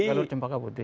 galur cempaka putih